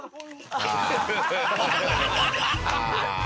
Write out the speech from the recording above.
ハハハハ！